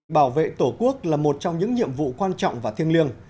bảo vệ tổ quốc là một trong những nhiệm vụ quan trọng và thiêng liêng